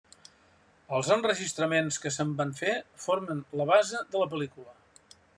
Els enregistraments que se'n van fer formen la base de la pel·lícula.